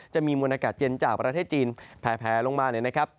จะมีมวลอากาศเย็นจากประเทศจีนแผลลงมา